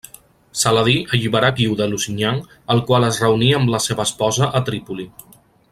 Saladí alliberà Guiu de Lusignan, el qual es reuní amb la seva esposa a Trípoli.